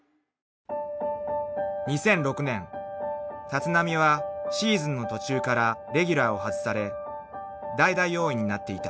［立浪はシーズンの途中からレギュラーを外され代打要員になっていた］